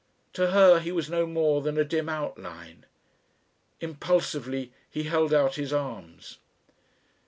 To her he was no more than a dim outline. Impulsively he held out his arms....